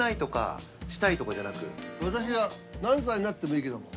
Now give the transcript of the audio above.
私は何歳になってもいいけども。